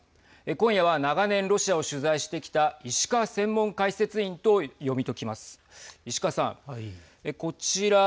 今夜は長年、ロシアを取材してきた石川専門解説委員と読み解きます。